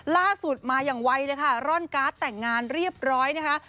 ล่าสุดมาอย่างไวเลยค่ะร่อนการ์ดแต่งงานเรียบร้อยนะคะ